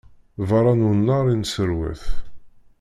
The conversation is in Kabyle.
Beṛṛa n unnar i nesserwat.